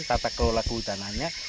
tata kelola kehutanannya